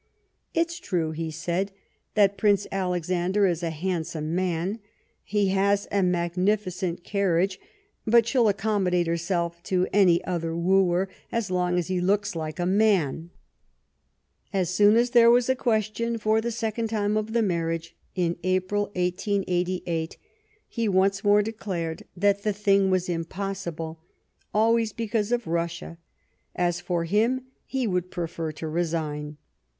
" It's true," he said, " that Prince Alexander is a handsome man ; he has a magnificent carriage. But she'll accommodate herself to any other wooer, so long as he looks like a man," As soon as there was a question for the second time of the marriage, in April 1888, he once more declared that the thing was impossible, always because of Russia ; as for him, he would prefer to resign.